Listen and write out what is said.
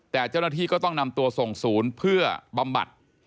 แต่เจ้าหน้าที่ก็ต้องนำตัวส่งศูนย์เพื่อบำบัด